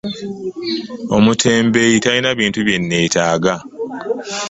Omutembeeyi talina bintu bye nneetaaga.